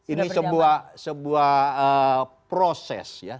ini sebuah proses ya